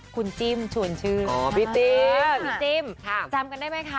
คุณจิ้มชวนชื่นอ๋อพี่ติ๊บพี่จิ้มจำกันได้ไหมคะ